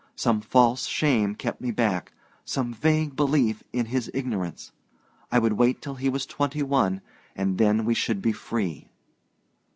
Some false shame kept me back, some vague belief in his ignorance. I would wait till he was twenty one, and then we should be free.